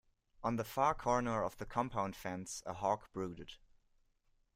On the far corner of the compound fence a hawk brooded.